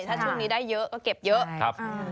ถ้าช่วงนี้ได้เยอะก็เก็บเยอะ